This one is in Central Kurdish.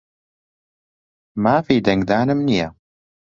مافی دەنگدانم نییە.